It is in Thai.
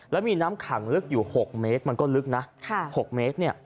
แล้วมีน้ำขังลึกอยู่๖เมตรมันก็ลึกนะ๖เมตรเนี่ย